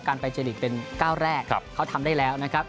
ไปเจลีกเป็นก้าวแรกเขาทำได้แล้วนะครับ